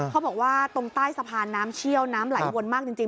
เขาบอกว่าตรงใต้สะพานน้ำเชี่ยวน้ำไหลวนมากจริง